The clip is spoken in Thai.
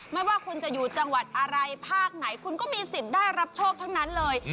ไม่ว่าคุณจะอยู่จังหวัดอะไรภาคไหนคุณก็มีสิทธิ์ได้รับโชคทั้งนั้นเลย